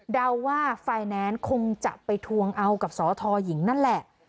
เดาว่าไฟแนนซ์คงจะไปทวงเอากับสทหญิงนั่นแหละ